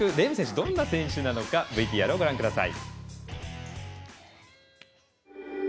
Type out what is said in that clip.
どんな選手なのかご覧ください。